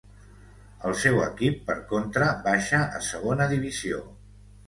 El seu equip, per contra, baixa a Segona Divisió.